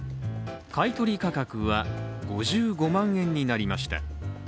買い取り価格は５５万円になりました。